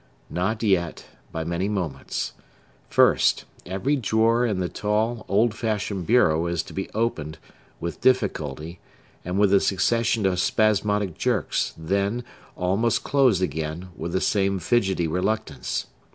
Not yet, by many moments. First, every drawer in the tall, old fashioned bureau is to be opened, with difficulty, and with a succession of spasmodic jerks then, all must close again, with the same fidgety reluctance.